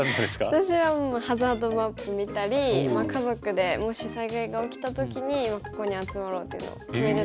私はもうハザードマップ見たり家族でもし災害が起きた時にここに集まろうっていうのを決めてたり。